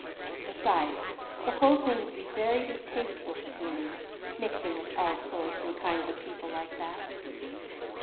Besides, the whole thing would be very distasteful to me mixing with all sorts and kinds of people like that."